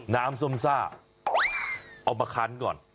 น้ำส้มซ่าเอามาคันก่อน